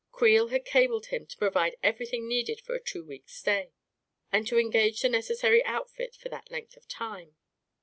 Creel had cabled him to provide everything needed for a two weeks' stay, and to engage the necessary outfit for that length of time.